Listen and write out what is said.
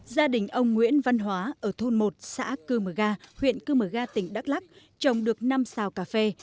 gia đình ông nguyễn văn hóa ở thôn một xã cư mờ ga huyện cư mờ ga tỉnh đắk lắc trồng được năm xào cà phê